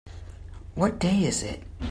What day is it?